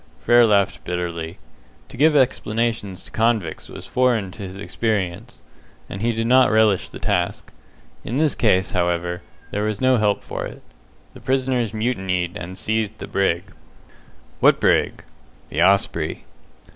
Frere laughed bitterly. To give explanations to convicts was foreign to his experience, and he did not relish the task. In this case, however, there was no help for it. "The prisoners mutinied and seized the brig." "What brig?" "The Osprey."